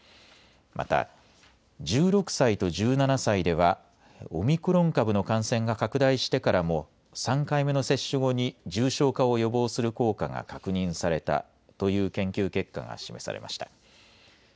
また１６歳と１７歳ではオミクロン株の感染が拡大してからも３回目の接種後に重症化を予防する効果が確認されたという研究結果が示されました。